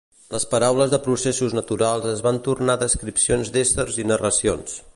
Les paraules de processos naturals es van tornar descripcions d'éssers i narracions.